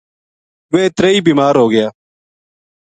ویہ تریہی بیمار ہوگیا